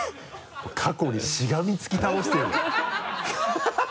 もう過去にしがみつき倒してるね。